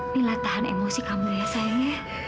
mila tahan emosi kamu ya sayang